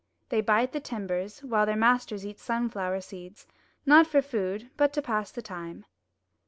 They bite the timbers, while their masters eat sunflower seeds, not for food, but to pass the time.